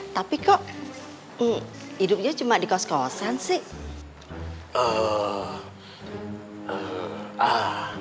tapi kok hidupnya cuma di kos kosan sih